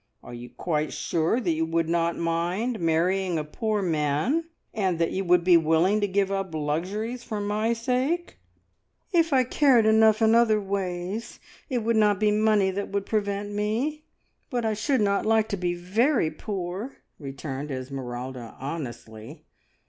Are you quite sure that you would not mind marrying a poor man, and that you would be willing to give up luxuries for my sake?" "If I cared enough in other ways, it would not be money that would prevent me, but I should not like to be very poor!" returned Esmeralda honestly.